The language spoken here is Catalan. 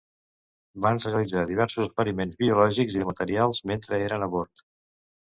Van realitzar diversos experiments biològics i de materials mentre eren a bord.